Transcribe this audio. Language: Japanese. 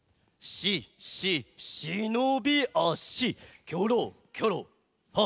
「しししのびあし」